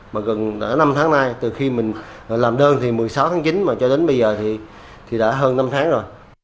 mà gần đã năm tháng nay từ khi mình làm đơn thì một mươi sáu tháng chín mà cho đến bây giờ thì đã hơn năm tháng rồi